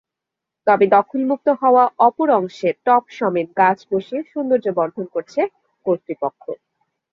তবে দখলমুক্ত হওয়া অপর অংশে টবসমেত গাছ বসিয়ে সৌন্দর্যবর্ধন করেছে কর্তৃপক্ষ।